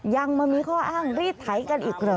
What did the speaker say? ยังมามีข้ออ้างรีดไถกันอีกเหรอ